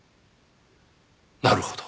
なるほど。